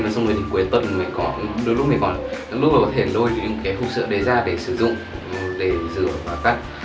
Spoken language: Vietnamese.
và xong rồi thì cuối tuần mới có đôi lúc thì có thể đôi những cái hút sữa để ra để sử dụng để rửa và cắt